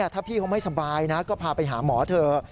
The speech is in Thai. ถ้าพี่เขาไม่สบายนะก็พาไปหาหมอเถอะ